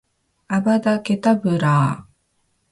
アバダ・ケタブラぁ！！！